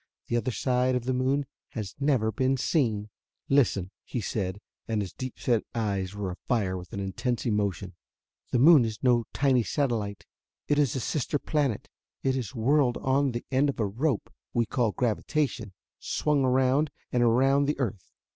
The other side of the moon has never been seen. "Listen," he said, and his deep set eyes were afire with an intense emotion. "The moon is no tiny satellite; it is a sister planet. It is whirled on the end of a rope (we call it gravitation), swung around and around the earth.